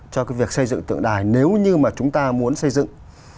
cho cái việc xây dựng tượng đài nếu như mà chúng ta muốn xây dựng